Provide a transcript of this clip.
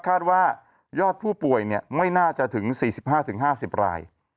คาดว่ายอดผู้ป่วยไม่น่าจะถึง๔๕๕๐ราย